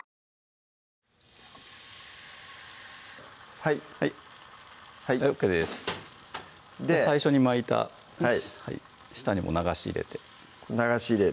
はいはいＯＫですで最初に巻いた下にも流し入れて流し入れる